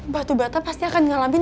batu batam pasti akan ngalamin